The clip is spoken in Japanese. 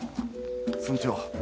村長。